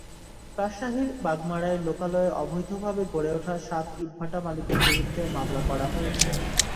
রাজশাহীর বাগমারায় লোকালয়ে অবৈধভাবে গড়ে ওঠা সাত ইটভাটা মালিকের বিরুদ্ধে মামলা করা হয়েছে।